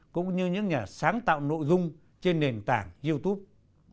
cũng như những nhà sáng tạo nội dung trên nền tảng youtube